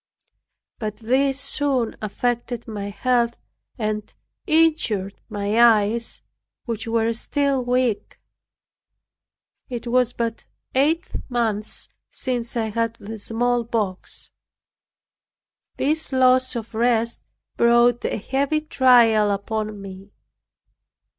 But this soon affected my health and injured my eyes, which were still weak. It was but eight months since I had the smallpox. This loss of rest brought a heavy trial upon me.